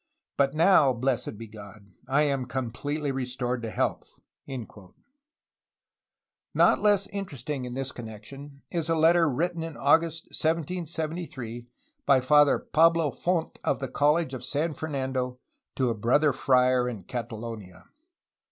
But now, blessed be God, I am completely restored to health." 358 A HISTORY OF CALIFORNIA Not less interesting in this connection is a letter written in August 1773 by Father Pablo Font of the College of San Fernando to a brother friar in Catalonia.